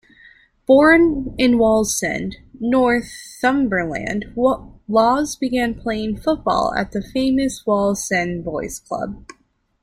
Born in Wallsend, Northumberland, Laws began playing football at the famous Wallsend Boys Club.